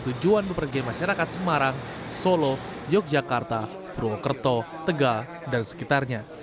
tujuan bepergian masyarakat semarang solo yogyakarta purwokerto tegal dan sekitarnya